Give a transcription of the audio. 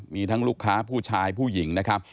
มีทั้งลูกค้าผู้ชายผู้หญิงนะครับ